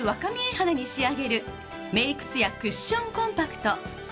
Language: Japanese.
肌に仕上げるメイク艶クッションコンパクト。